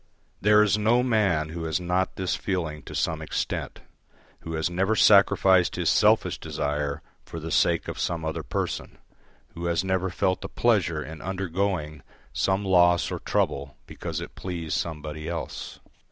There is no man who has not this feeling to some extent, who has never sacrificed his selfish desire for the sake of some other person, who has never felt a pleasure in undergoing some loss or trouble because it pleased somebody else.